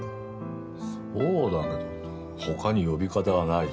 そうだけど他に呼び方がないし。